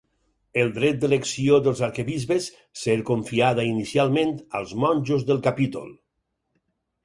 El dret d'elecció dels arquebisbes ser confiada inicialment als monjos del capítol.